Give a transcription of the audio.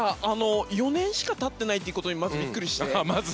４年しかたっていないということにまずびっくりして。